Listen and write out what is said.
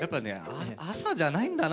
朝じゃないんだな